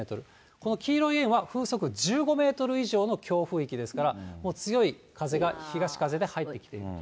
この黄色い円は風速１５メートル以上の強風域ですから、もう強い風が東風で入ってくると。